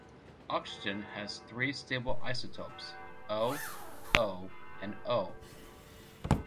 Oxygen has three stable isotopes, O, O, and O.